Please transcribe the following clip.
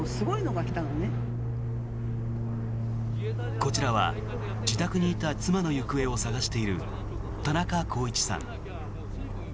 こちらは自宅にいた妻の行方を捜している田中公一さん。